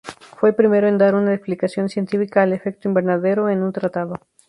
Fue el primero en dar una explicación científica al efecto invernadero en un tratado.